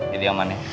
jadi aman ya